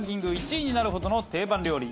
１位になるほどの定番料理。